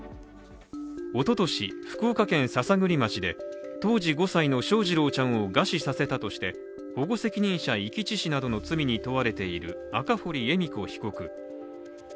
おととし、福岡県篠栗町で当時５歳の翔士郎ちゃんを餓死させたとして保護責任者遺棄致死などの罪に問われている赤堀恵美子被告。